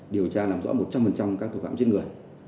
điều tra nằm rõ một trăm linh các tội phạm trên người